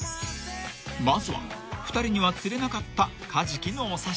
［まずは２人には釣れなかった］